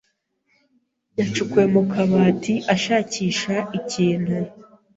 yacukuye mu kabati ashakisha ikintu.